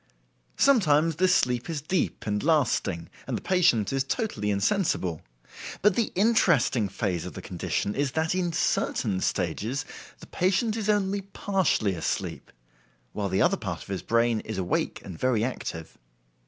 Sometimes this sleep is deep and lasting, and the patient is totally insensible; but the interesting phase of the condition is that in certain stages the patient is only partially asleep, while the other part of his brain is awake and very active.